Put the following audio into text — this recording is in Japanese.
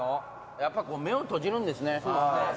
やっぱ目を閉じるんですね。